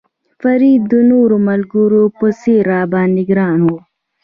فرید د نورو ملګرو په څېر را باندې ګران و.